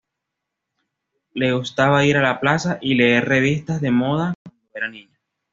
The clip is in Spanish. Le gustaba ir a la plaza y leer revistas de moda cuando era niña.